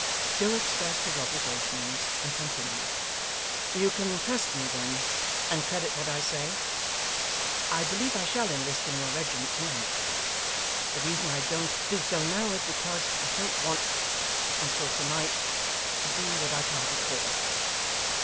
Joe expressed his obligations, and continued, 'You can trust me then, and credit what I say. I believe I shall enlist in your regiment to night. The reason I don't do so now is, because I don't want until to night, to do what I can't recall.